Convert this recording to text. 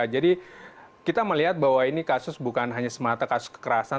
jadi kita melihat bahwa ini kasus bukan hanya semata kasus kekerasan